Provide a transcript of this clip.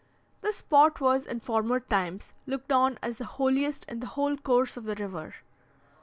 This spot was, in former times, looked on as the holiest in the whole course of the river.